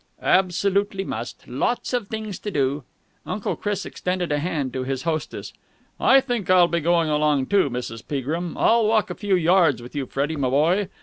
"Absolutely must. Lots of things to do." Uncle Chris extended a hand to his hostess. "I think I will be going along, too, Mrs. Peagrim. I'll walk a few yards with you, Freddie, my boy.